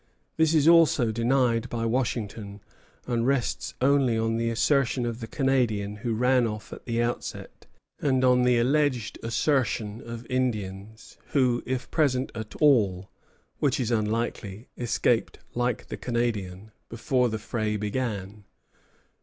This is also denied by Washington, and rests only on the assertion of the Canadian who ran off at the outset, and on the alleged assertion of Indians who, if present at all, which is unlikely, escaped like the Canadian before the fray began.